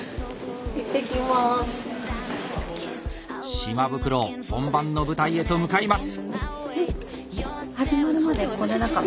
島袋本番の舞台へと向かいます。